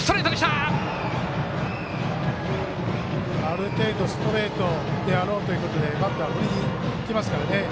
ある程度、ストレートであろうということでバッター、振りにいきますからね